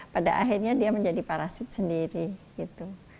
pada akhirnya dia menjadi parasit sendiri gitu